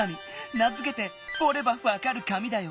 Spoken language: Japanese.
名づけて「おればわかる紙」だよ。